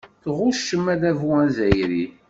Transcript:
Tɣuccem adabu azzayri.